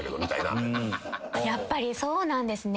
やっぱりそうなんですね。